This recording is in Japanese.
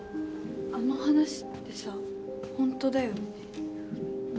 あの話ってさホントだよね？